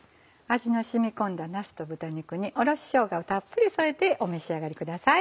味の染み込んだなすと豚肉におろししょうがをたっぷり添えてお召し上がりください。